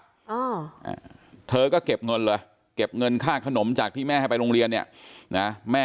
อ่าเธอก็เก็บเงินเลยเก็บเงินค่าขนมจากที่แม่ให้ไปโรงเรียนเนี่ยนะแม่